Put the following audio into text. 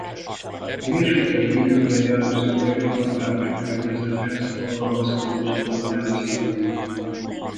A mérsékelt égövre jellemző fajok nagyvárosi környezethez alkalmazkodott populációi.